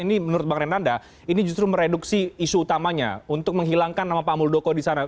ini menurut bang renanda ini justru mereduksi isu utamanya untuk menghilangkan nama pak muldoko di sana